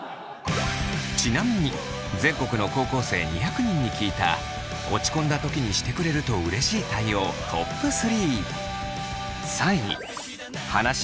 ちなみに全国の高校生２００人に聞いた落ち込んだ時にしてくれるとうれしい対応トップ３。